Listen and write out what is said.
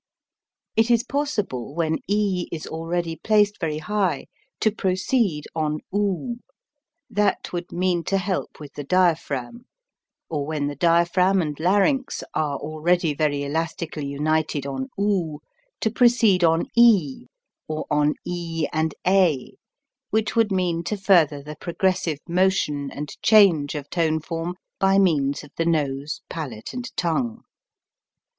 It is possible, when e is already placed very high, to proceed on oo; that would mean to help with the diaphragm, or when the dia phragm and larynx are already very elastically united on oo, to proceed on e or on e and a, which would mean to further the progressive motion and change of tone form by means of the nose, palate, and tongue.